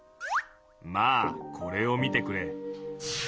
まあこれを見てくれ。